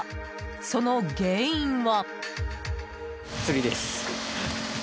その原因は。